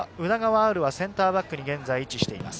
潤はセンターバックに現在、位置しています。